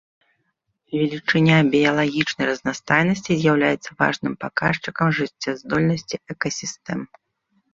Велічыня біялагічнай разнастайнасці з'яўляецца важным паказчыкам жыццяздольнасці экасістэм.